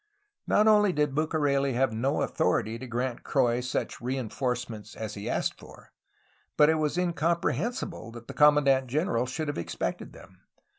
Not only did Bucareli have no authority to grant Croix such reinforcements as he asked for, but it was incompre hensible that the commandant general should have expected them.